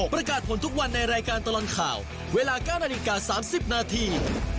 ประกาศผลทุกวันในรายการตลอดข่าวเวลา๙นาฬิกา๓๐นาที